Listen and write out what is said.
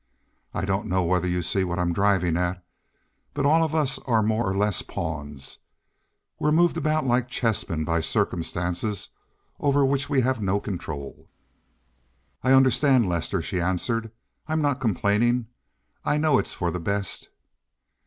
I don't know whether you see what I'm driving at, but all of us are more or less pawns. We're moved about like chessmen by circumstances over which we have no control." "I understand, Lester," she answered. "I'm not complaining. I know it's for the best."